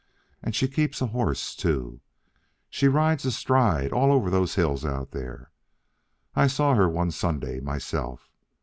And she keeps a horse, too. She rides astride all over those hills out there. I saw her one Sunday myself.